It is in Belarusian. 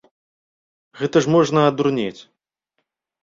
Гэта ж можна адурнець!